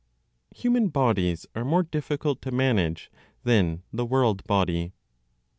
HUMAN BODIES ARE MORE DIFFICULT TO MANAGE THAN THE WORLD BODY.